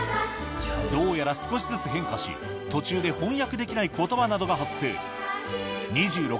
どうやら少しずつ変化し途中で翻訳できない言葉などが発生２６